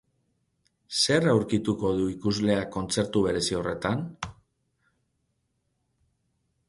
Zer aurkituko du ikusleak kontzertu berezi horretan?